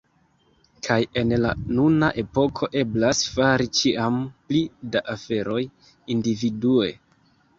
Kaj en la nuna epoko eblas fari ĉiam pli da aferoj individue.